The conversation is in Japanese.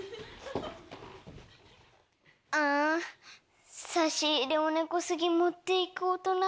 あ差し入れを根こそぎ持っていく大人